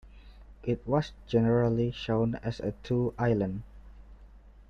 It was generally shown as two islands.